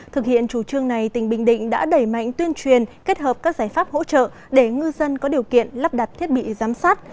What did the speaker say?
thực hiện chủ trương này tỉnh bình định đã đẩy mạnh tuyên truyền kết hợp các giải pháp hỗ trợ để ngư dân có điều kiện lắp đặt thiết bị giám sát